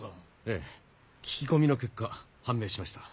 ええ聞き込みの結果判明しました。